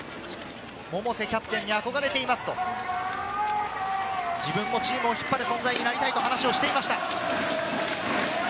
百瀬キャプテンに憧れていますと、自分もチームを引っ張る存在になりたいと話をしていました。